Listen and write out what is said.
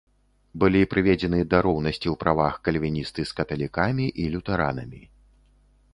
Былі прыведзены да роўнасці ў правах кальвіністы з каталікамі і лютэранамі.